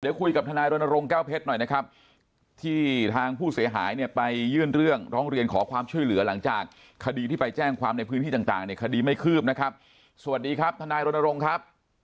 เดี๋ยวคุยกับทนายรณรงค์แก้วเพชรหน่อยนะครับที่ทางผู้เสียหายเนี่ยไปยื่นเรื่องร้องเรียนขอความช่วยเหลือหลังจากคดีที่ไปแจ้งความในพื้นที่ต่างเนี่ยคดีไม่คืบนะครับสวัสดีครับทนายรณรงค์ครับ